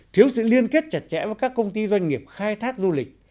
thiếu sự liên kết chặt chẽ với các công ty doanh nghiệp khai thác du lịch